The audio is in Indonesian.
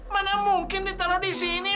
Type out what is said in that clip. mana mungkin ditaruh di sini